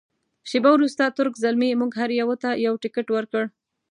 شیبه وروسته تُرک زلمي موږ هر یوه ته یو تکټ ورکړ.